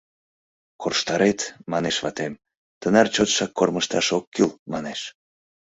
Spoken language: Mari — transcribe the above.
— Корштарет, манеш ватем, тынар чотшак кормыжташ ок кӱл, манеш.